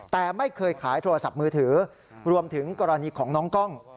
แต่ไม่เคยขายโทรศัพท์มือถือรวมถึงกรณีของน้องกล้อง